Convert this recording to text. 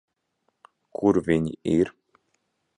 Kur viņi ir?